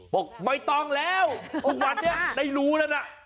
บอกไม่ต้องแล้วทุกวันนี้ได้รู้แล้วนะ